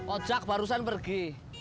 ojek barusan pergi